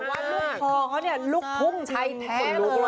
แต่ว่าลูกพองเขาลูกพุ่งใช้แท้เลย